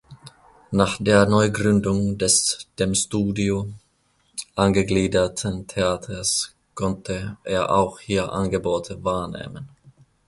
Nach der Neugründung des dem Studio angegliederten Theaters konnte er auch hier Angebote wahrnehmen.